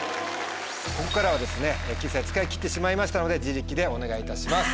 ここからは救済を使い切ってしまいましたので自力でお願いいたします。